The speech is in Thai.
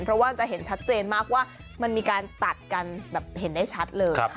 เพราะว่าจะเห็นชัดเจนมากว่ามันมีการตัดกันแบบเห็นได้ชัดเลย